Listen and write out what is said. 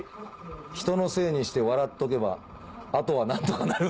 「人のせいにして笑っとけば後は何とかなる‼」。